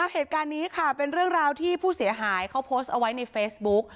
เหตุการณ์นี้ค่ะเป็นเรื่องราวที่ผู้เสียหายเขาโพสต์เอาไว้ในเฟซบุ๊ก